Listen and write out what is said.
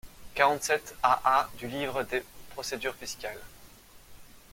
quarante-sept AA du livre des procédures fiscales.